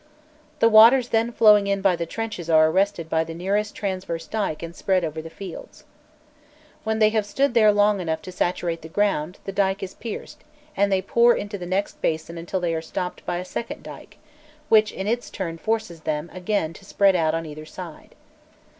The waters then flowing in by the trenches are arrested by the nearest transverse dyke and spread over the fields. When they have stood there long enough to saturate the ground, the dyke is pierced, and they pour into the next basin until they are stopped by a second dyke, which in its turn forces them again to spread out on either side.